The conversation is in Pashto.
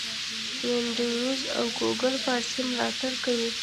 وینډوز او ګوګل فارسي ملاتړ کوي.